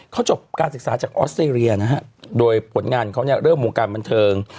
เขาจบการศึกษาจากออสเตรเลียนะฮะโดยผลงานของเขาเนี่ยเริ่มวงการบันเทิง